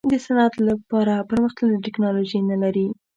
د صنعت لپاره پرمختللې ټیکنالوجي نه لري.